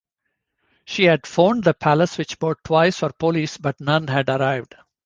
She had phoned the palace switchboard twice for police but none had arrived.